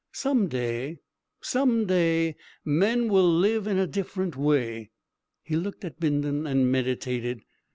Some day some day, men will live in a different way." He looked at Bindon and meditated.